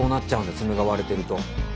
爪が割れてると。